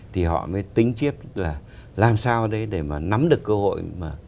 thì họ mới tính chiếp là làm sao để mà nắm được cơ hội